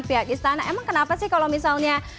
pihak istana emang kenapa sih kalau misalnya